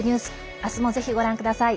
明日も、ぜひご覧ください。